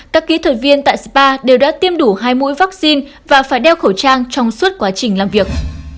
các kỹ thuật viên tại spa đều đã tiêm đủ hai mũi vaccine và phải đeo khẩu trang trong suốt quá trình làm việc